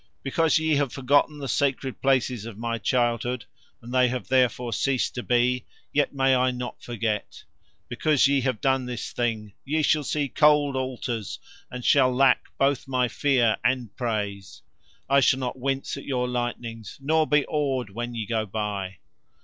because Ye have forgotten the sacred places of my childhood, and they have therefore ceased to be, yet may I not forget. Because Ye have done this thing, Ye shall see cold altars and shall lack both my fear and praise. I shall not wince at Your lightnings, nor be awed when Ye go by."